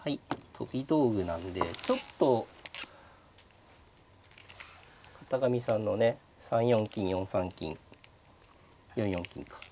飛び道具なんでちょっと片上さんのね３四金４三金４四金か。